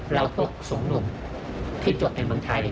เราต้องสองหนุ่มที่จบในเมืองไทย